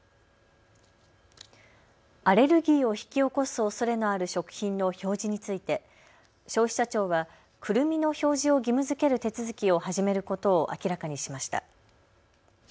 アレルギーを引き起こすおそれのある食品の表示について消費者庁は、くるみの表示を義務づける手続きを始めることを明らかにしました。